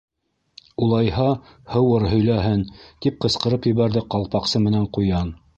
—Улайһа һыуыр һөйләһен! —тип ҡысҡырып ебәрҙе Ҡалпаҡсы менән Ҡуян.